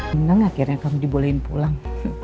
menang akhirnya kamu dibolehin pulang